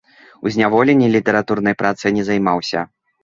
У зняволенні літаратурнай працай не займаўся.